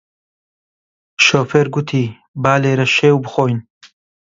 شۆفێر گوتی با لێرە شێو بخۆین